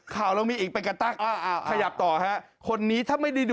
มันไม่มีอะไร